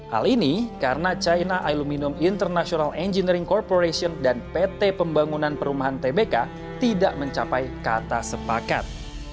hal ini karena china aluminium international engineering corporation dan pt pembangunan perumahan tbk tidak mencapai kata sepakat